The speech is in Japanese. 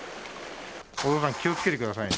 お父さん、気をつけてくださいね。